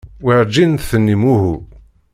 Werǧin d-tennim uhu.